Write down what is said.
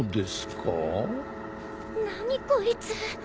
何こいつ。